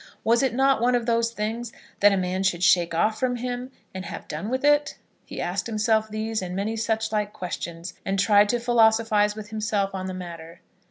Was it not one of those things that a man should shake off from him, and have done with it? He asked himself these, and many such like questions, and tried to philosophise with himself on the matter.